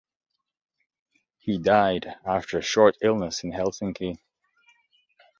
He died after a short illness in Helsinki.